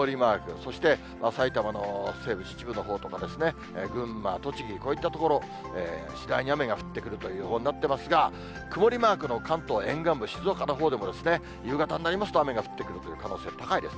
そして埼玉の西部、秩父のほうとか、群馬、栃木、こういった所、次第に雨が降ってくるという予報になっていますが、曇りマークの関東沿岸部、静岡のほうでも夕方になりますと、雨が降ってくるという可能性高いです。